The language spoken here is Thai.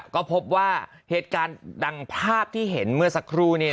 ก็พบว่าเหตุการณ์ดังภาพที่เห็นเมื่อสักครู่